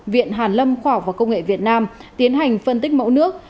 viện hàn lâm khoa học và công nghệ việt nam tiến hành phân tích mẫu nước